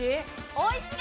おいしい？